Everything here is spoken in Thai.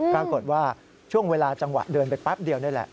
ปรากฏว่าช่วงเวลาจังหวะเดินไปแป๊บเดียวนี่แหละ